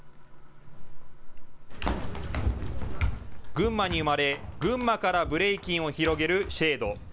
群馬に生まれ群馬からブレイキンを広げるＳＨＡＤＥ。